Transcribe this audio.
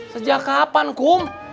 sejak kapan kum